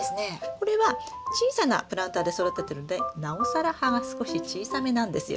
これは小さなプランターで育ててるんでなおさら葉が少し小さめなんですよ。